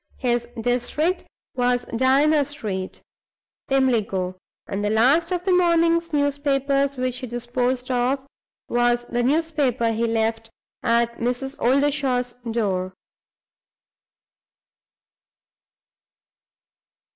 His district was Diana Street, Pimlico; and the last of the morning's newspapers which he disposed of was the newspaper he left at Mrs. Oldershaw's door.